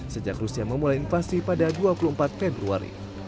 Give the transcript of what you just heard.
sejak rusia memulai invasi pada dua puluh empat februari